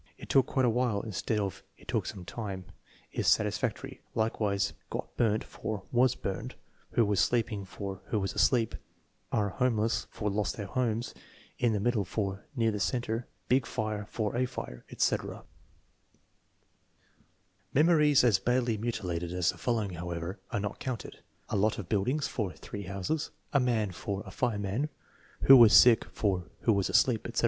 " It took quite a while " instead of " it took some time is satis factory; likewise, " got burnt " for " was burned "; 264 THE MEASUREMENT OP INTELLIGENCE " who was sleeping " for " who was asleep ";" are home less " for " lost their homes ";" in the middle " for " near the center ";" a big fire " for " a fire/' etc. Memories as badly mutilated as the following, however, are not counted: " A lot of buildings "for " three houses; "" a man " for " a fireman ";" who was sick " for " who was asleep "; etc.